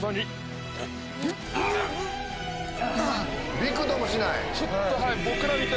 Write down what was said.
びくともしない。